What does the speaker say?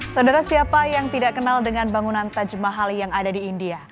saudara siapa yang tidak kenal dengan bangunan tajma hali yang ada di india